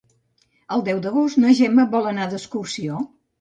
El deu d'agost na Gemma vol anar d'excursió.